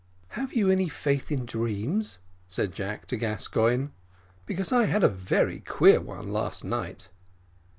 "Have you any faith in dreams," said Jack to Gascoigne, "because I had a very queer one last night."